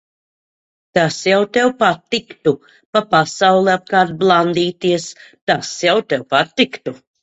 Tas jau tev patiktu. Pa pasauli apkārt blandīties, tas jau tev patiktu.